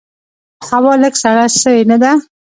هوا لږ سړه سوي نده؟